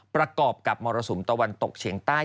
ประกอบกับมรสุมตะวันตกเฉียงใต้